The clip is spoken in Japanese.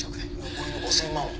残りの５，０００万は？